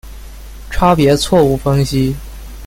差别错误分析。